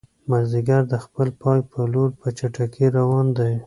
مازیګر د خپل پای په لور په چټکۍ روان دی.